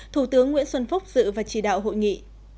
thủ tướng nguyễn xuân phúc dự và chỉ đạo hội nghị